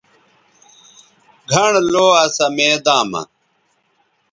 گھنڑ لو اسا میداں مہ